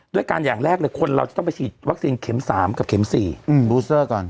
ด้วยการอย่างแรกคนเราจะต้องไปฉีดวัคซีน๔บูซ่อก่อน